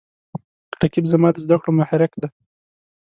رقیب زما د زده کړو محرک دی